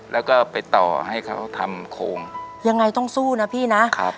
แล้วก็ไปต่อให้เขาทำโครงยังไงต้องสู้นะพี่นะครับ